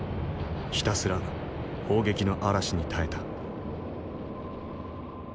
ひたすら砲撃の嵐に耐えた。